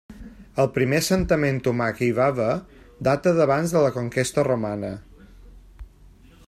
El primer assentament humà que hi va haver data d'abans de la conquesta romana.